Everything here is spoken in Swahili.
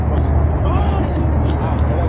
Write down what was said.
Teknolojia imesaidia watu wengi sana